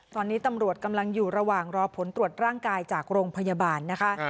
ตอนนี้ตำรวจกำลังอยู่ระหว่างรอผลตรวจร่างกายจากโรงพยาบาลนะคะ